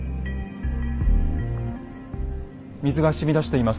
水がしみ出しています。